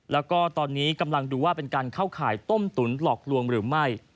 แล้วก็ตอนนี้กำลังดูว่าเป็นการเข้าข่ายต้มตุ๋นหลอกลวงหรือไม่